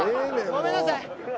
ごめんなさい。